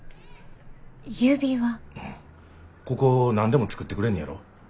ここ何でも作ってくれんねやろ？